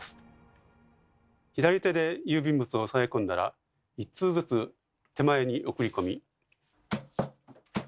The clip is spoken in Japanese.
左手で郵便物を押さえ込んだら一通ずつ手前に送り込み。